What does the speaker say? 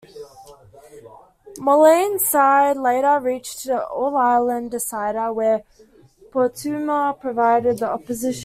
Mullane's side later reached the All-Ireland decider where Portumna provided the opposition.